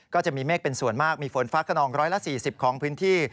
ก็จะมีเมฆเป็นส่วนมากมีฝนฟ้าขนอง๑๔๐ของพื้นที่